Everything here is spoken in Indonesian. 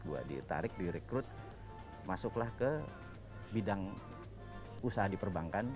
buat ditarik direkrut masuklah ke bidang usaha di perbankan